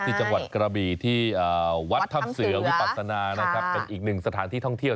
จังหวัดกระบีที่วัดถ้ำเสือวิปัศนานะครับเป็นอีกหนึ่งสถานที่ท่องเที่ยว